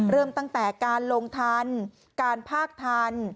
เริ่มตั้งแต่การลงทันการภาคทัน